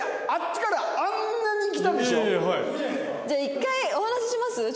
じゃあ一回お話しします？